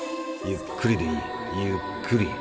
ゆっくりゆっくりだ。